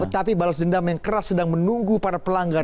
tapi balas dendam yang keras sedang menunggu para pelanggar